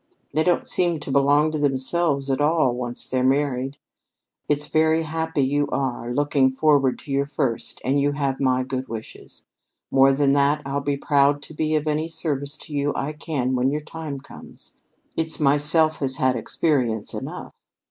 They don't seem to belong to themselves at all, once they're married. It's very happy you are, looking forward to your first, and you have my good wishes. More than that, I'll be proud to be of any service to you I can when your time comes it's myself has had experience enough!